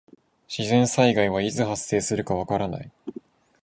自然災害はいつ発生するかわからない。